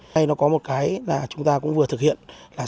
đây nó có một cái là chúng ta cũng vừa thực hiện là sáng